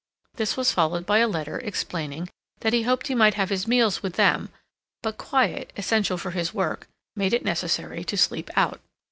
This was followed by a letter explaining that he hoped he might have his meals with them; but quiet, essential for his work, made it necessary to sleep out.